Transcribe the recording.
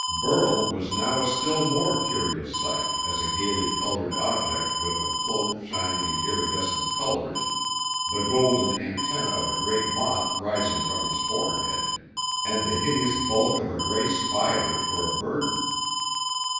Burl was now a still more curious sight as a gayly colored object with a cloak shining in iridescent colors, the golden antennae of a great moth rising from his forehead, and the hideous bulk of a gray spider for a burden.